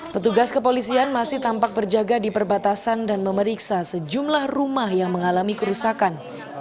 petugas kepolisian masih tampak berjaga di perbatasan dan memeriksa sejumlah rumah yang mengalami kerusakan